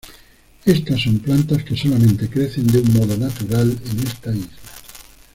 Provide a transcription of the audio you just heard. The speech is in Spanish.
Estas son plantas que solamente crecen de un modo natural en esta isla.